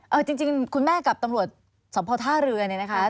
เอาจริงคุณแม่กับตำรวจสภท่าเรือเนี่ยนะคะ